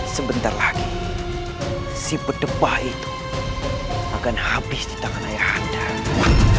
sebentar lagi si pedepah itu akan habis di tangan ayahantanya